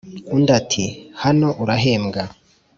undi ati"hano urahembwa